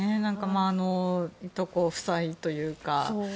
いとこ夫妻というか。